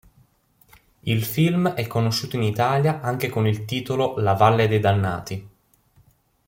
Il film è conosciuto in Italia anche con il titolo La valle dei dannati.